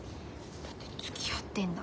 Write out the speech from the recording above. だってつきあってんだもん。